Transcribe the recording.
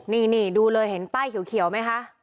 นี่ดูเลยเห็นป้ายเขียวไหมคะ